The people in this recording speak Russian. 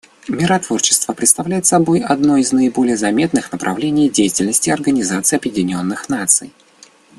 Миротворчество представляет собой одно из наиболее заметных направлений деятельности Организации Объединенных Наций.